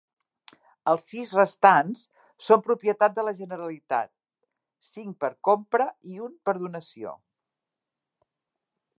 Els sis restants són propietat de la Generalitat, cinc per compra i un per donació.